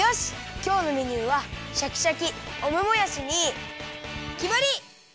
きょうのメニューはシャキシャキオムもやしにきまり！